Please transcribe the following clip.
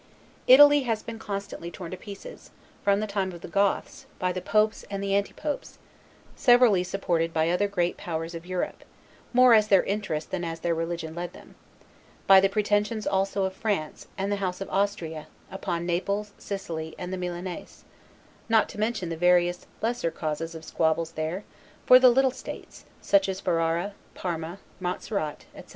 Italy has been constantly torn to pieces, from the time of the Goths, by the Popes and the Anti popes, severally supported by other great powers of Europe, more as their interests than as their religion led them; by the pretensions also of France, and the House of Austria, upon Naples, Sicily, and the Milanese; not to mention the various lesser causes of squabbles there, for the little states, such as Ferrara, Parma, Montserrat, etc.